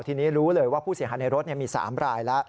ทีนี้รู้เลยว่าผู้เสียหายในรถมี๓รายแล้ว